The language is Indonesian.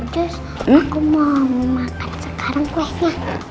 cus aku mau makan sekarang kuenya